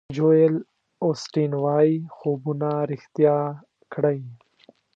جویل اوسټین وایي خوبونه ریښتیا کړئ.